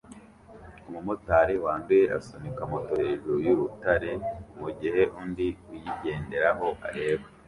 Umumotari wanduye asunika moto hejuru y'urutare mugihe undi uyigenderaho areba